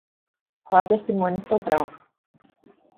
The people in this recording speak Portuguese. Cláudia Simone Sobral